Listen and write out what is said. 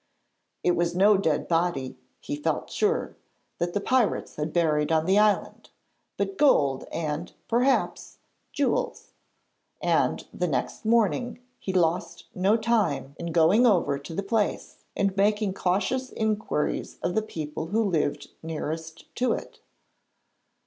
It was no dead body, he felt sure, that the pirates had buried on the island, but gold and, perhaps, jewels; and the next morning he lost no time in going over to the place and making cautious inquiries of the people who lived nearest to it.